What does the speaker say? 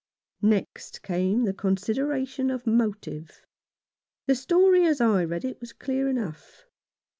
Next came the consideration of motive. The story as I read it was clear enough.